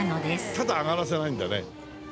ただ上がらせないんだね。